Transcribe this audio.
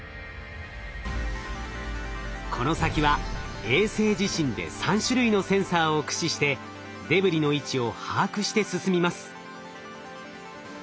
この先は衛星自身で３種類のセンサーを駆使してデブリの位置を把握して進みます。